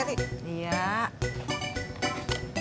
masih seneng apa